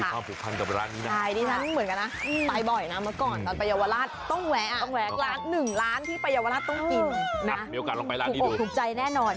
โปรดติดตามตอนต่อไป